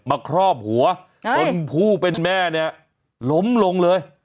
ครอบหัวจนผู้เป็นแม่เนี่ยล้มลงเลย